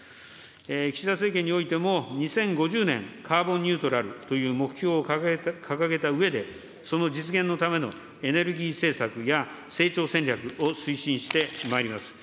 岸田政権においても、２０５０年カーボンニュートラルという目標を掲げたうえで、その実現のためのエネルギー政策や、成長戦略を推進してまいります。